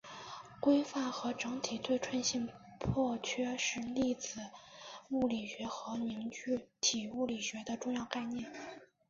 规范和整体对称性破缺是粒子物理学和凝聚体物理学的重要概念。